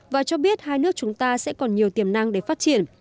và cho biết hai nước chúng ta sẽ còn nhiều tiềm năng để phát triển